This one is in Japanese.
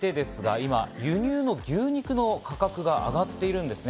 今、輸入の牛肉の価格が上がってるんですね。